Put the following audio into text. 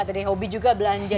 tadi hobi juga belanja